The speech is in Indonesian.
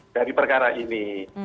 dari perkara ini